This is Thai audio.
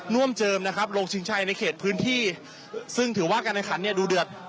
วมเจิมนะครับลงชิงชัยในเขตพื้นที่ซึ่งถือว่าการแข่งขันเนี่ยดูเดือด